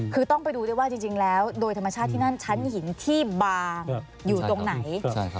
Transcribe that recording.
คือต้องไปดูด้วยว่าจริงแล้วโดยธรรมชาติที่นั่นชั้นหินที่บางอยู่ตรงไหน